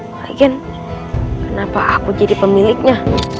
lagi kan kenapa aku jadi pemiliknya